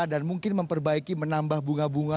dan mungkin memperbaiki menambah bunga bunga